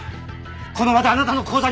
この場であなたの口座に振り込む。